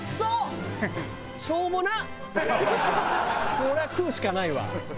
そりゃ食うしかないわ。